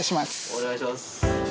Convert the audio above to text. お願いします